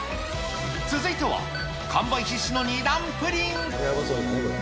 続いては、完売必至の２段プリン。